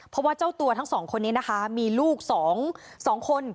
เพราะว่าเจ้าตัวทั้งสองคนนี้นะคะมีลูก๒คน